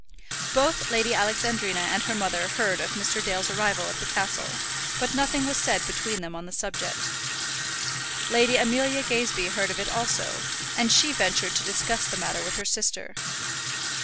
Both Lady Alexandrina and her mother heard of Mr. Dale's arrival at the castle, but nothing was said between them on the subject. Lady Amelia Gazebee heard of it also, and she ventured to discuss the matter with her sister.